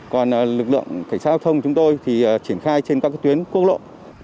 còn lực lượng cảnh sát giao thông chúng tôi thì triển khai trên các tuyến quốc lộ